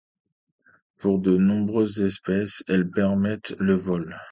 Pour de nombreuses espèces, elles permettent le vol.